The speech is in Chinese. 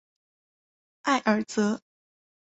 埃尔泽。